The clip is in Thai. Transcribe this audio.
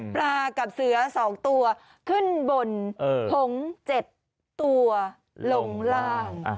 ปลากับเสือ๒ตัวขึ้นบนผง๗ตัวลงล่าง